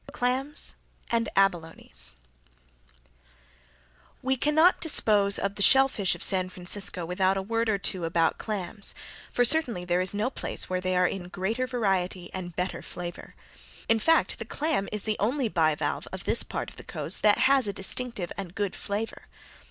Clams and Abalone's We cannot dispose of the shell fish of San Francisco without a word or two about clams, for certainly there is no place where they are in greater variety and better flavor. In fact the clam is the only bivalve of this part of the coast that has a distinctive and good flavor.